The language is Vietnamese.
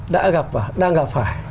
đã gặp và đang gặp phải